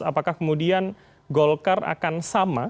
apakah kemudian golkar akan sama